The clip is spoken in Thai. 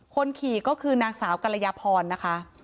คนขี่ก็คือนางสาวกรยาพรนะคะ